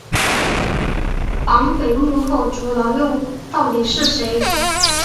绑匪幕后主脑又到底是谁？